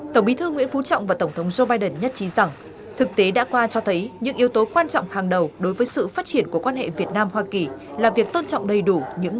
trước đó trong cuộc hội đàm tổng bí thư nguyễn phú trọng và tổng thống joe biden nhiệt liệt chào mừng đánh giá